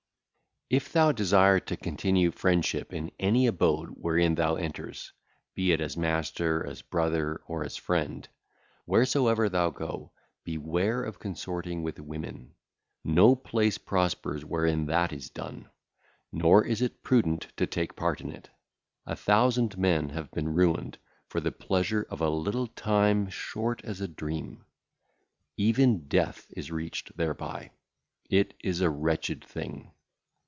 If thou desire to continue friendship in any abode wherein thou enterest, be it as master, as brother, or as friend; wheresoever thou goest, beware of consorting with women. No place prospereth wherein that is done. Nor is it prudent to take part in it; a thousand men have been ruined for the pleasure of a little time short as a dream. Even death is reached thereby; it is a wretched thing.